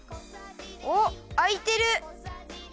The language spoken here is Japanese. おっあいてる！